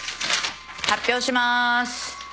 発表します。